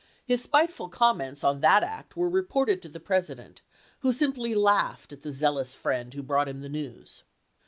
His spiteful comments on that act were reported to the President, who simply laughed at the zealous friend who brought him the news.